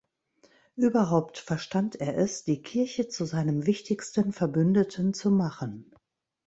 Überhaupt verstand er es, die Kirche zu seinem wichtigsten Verbündeten zu machen.